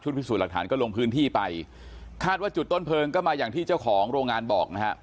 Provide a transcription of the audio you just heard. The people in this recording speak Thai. พิสูจน์หลักฐานก็ลงพื้นที่ไปคาดว่าจุดต้นเพลิงก็มาอย่างที่เจ้าของโรงงานบอกนะฮะ